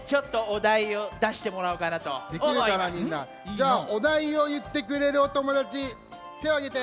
じゃあおだいをいってくれるおともだちてをあげて！